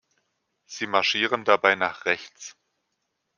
Sie marschieren dabei nach rechts.